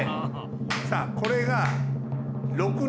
さぁこれが。